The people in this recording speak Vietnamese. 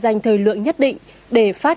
đành thời lượng nhất định để phát